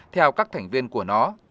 theo các thành viên của nó